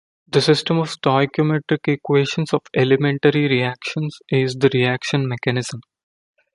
The system of stoichiometric equations of elementary reactions is the "reaction mechanism".